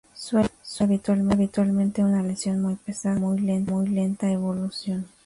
Suele ser habitualmente una lesión muy pesada y de muy lenta evolución.